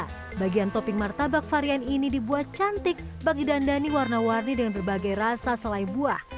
karena bagian topping martabak varian ini dibuat cantik bagi dandani warna warni dengan berbagai rasa selai buah